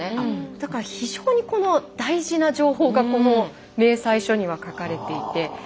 だから非常にこの大事な情報がこの明細書には書かれていて。